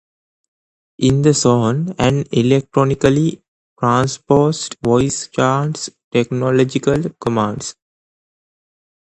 In the song, an electronically transposed voice chants technological commands.